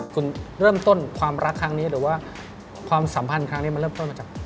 คุณเริ่มต้นความรักครั้งนี้หรือว่าความสัมพันธ์ครั้งนี้มันเริ่มต้นมาจาก